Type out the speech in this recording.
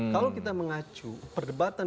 kalau kita mengacu perdebatan